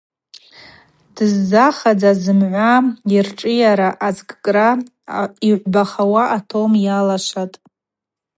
Дызхадзаз зымгӏва йыршӏыйара азкӏкӏра йгӏвбахауа атом йалашватӏ.